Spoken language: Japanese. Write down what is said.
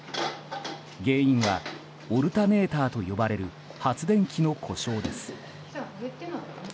原因はオルタネーターと呼ばれる発電機の故障です。